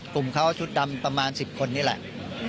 กลุ่มเขาชุดดำประมาณ๑๐คนนี่แหละ